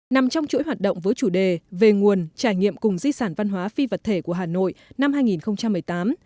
nằm trong chuỗi hoạt động với chủ đề về nguồn trải nghiệm cùng di sản văn hóa phi vật thể của hà nội năm hai nghìn một mươi tám